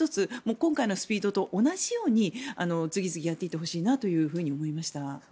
今回のスピードと同じように次々やっていってほしいなと思いました。